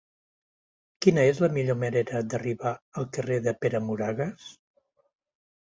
Quina és la millor manera d'arribar al carrer de Pere Moragues?